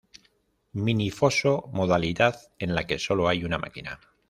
Mini Foso Modalidad en la que solo hay una máquina.